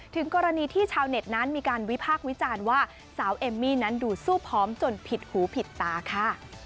ถึงกรณีที่ชาวเน็ตนั้นมีการวิพากษ์วิจารณ์ว่าสาวเอมมี่นั้นดูสู้พร้อมจนผิดหูผิดตาค่ะ